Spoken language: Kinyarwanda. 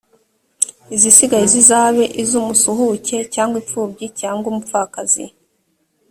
izisigaye zizabe iz’umusuhuke cyangwa impfubyi, cyangwa umupfakazi.